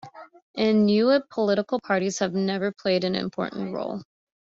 In Niue, political parties have never played an important role.